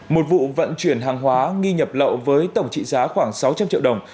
một vụ vận chuyển hàng hóa nghi nhập lậu với tổng trị giá khoảng sáu trăm linh triệu đồng